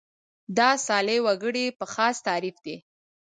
دا صالح وګړي په خاص تعریف دي.